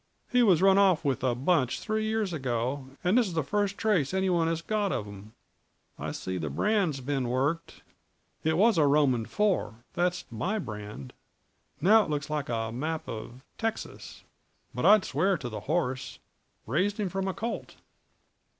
He was run off with a bunch three years ago, and this is the first trace anybody has ever got of 'em. I see the brand's been worked. It was a Roman four that's my brand; now it looks like a map of Texas; but I'd swear to the horse raised him from a colt."